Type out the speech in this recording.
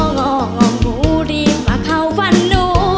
งองูรีบมาเข้าฝั่งหนู